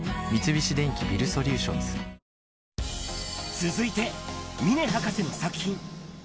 続いて峰博士の作品。